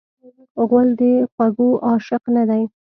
غول د خوږو عاشق نه دی.